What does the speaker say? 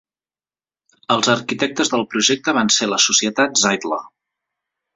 Els arquitectes del projecte van ser la Societat Zeidler.